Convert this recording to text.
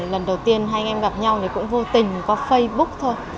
lần đầu tiên hai anh em gặp nhau thì cũng vô tình có facebook thôi